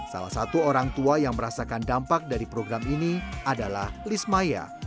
salah satu orang tua yang merasakan dampak dari program ini adalah lismaya